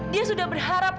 dia sudah berharap